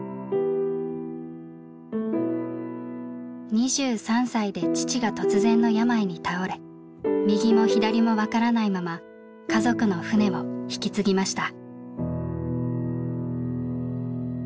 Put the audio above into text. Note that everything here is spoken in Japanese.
２３歳で父が突然の病に倒れ右も左も分からないまま家族の船を引き継ぎました。